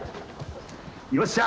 よっしゃ！